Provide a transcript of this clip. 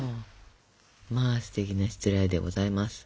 まあすてきなしつらえでございます。